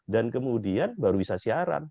dan kemudian baru bisa siaran